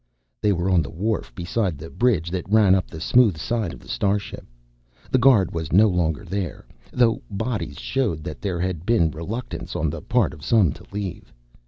They were on the wharf beside the bridge that ran up the smooth side of the starship. The guard was no longer there, though bodies showed that there had been reluctance on the part of some to leave.